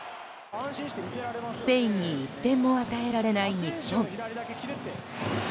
スペインに１点も与えられない日本。